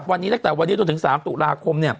วันนี้ตั้งแต่วันนี้จนถึง๓ตุลาคม